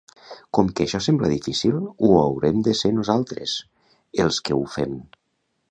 Com que això sembla difícil, no haurem de ser nosaltres els que ho fem.